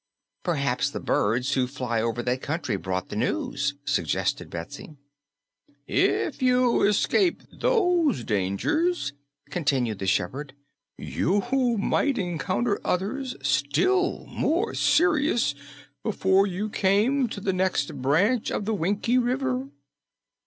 "Perhaps the birds who fly over that country brought the news," suggested Betsy. "If you escaped those dangers," continued the shepherd, "you might encounter others still more serious before you came to the next branch of the Winkie River.